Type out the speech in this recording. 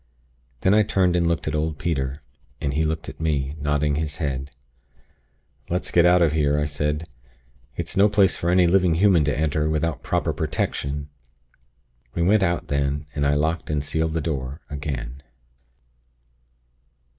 "Then I turned and looked at old Peter, and he looked at me, nodding his head. "'Let's get out of here!' I said. 'It's no place for any living human to enter, without proper protection.' "We went out then, and I locked and sealed the door, again.